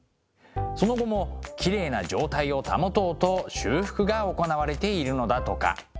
その後もきれいな状態を保とうと修復が行われているのだとか。